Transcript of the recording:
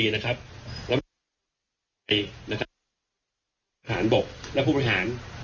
นะครับนะครับผู้บริหารบกและผู้บริหาร